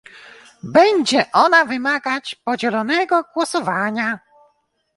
Będzie ona wymagać podzielonego głosowania